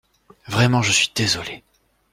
Vraiment, je suis désolé.